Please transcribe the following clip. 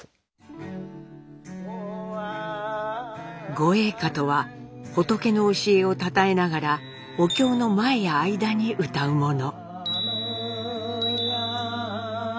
「御詠歌」とは仏の教えをたたえながらお経の前や間にうたうもの。